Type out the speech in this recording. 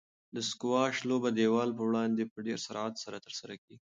د سکواش لوبه د دیوال په وړاندې په ډېر سرعت سره ترسره کیږي.